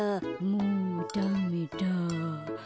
もうダメだ。